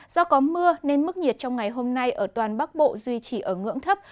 do có mưa nên mức nhiệt trong ngày hôm nay ở toàn bắc bộ duy trì ở ngưỡng thấp